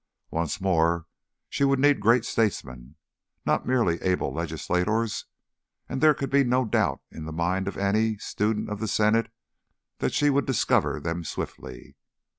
Once more she would need great statesmen, not merely able legislators, and there could be no doubt in the mind of any student of the Senate that she would discover them swiftly.